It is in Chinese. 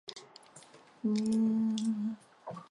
寡妇榧螺为榧螺科榧螺属下的一个种。